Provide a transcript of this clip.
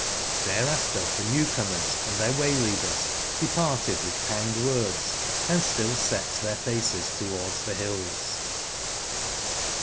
thereafter the new comers and tbeir way/ leaders departed with kind words, and still set their faces towards the hills.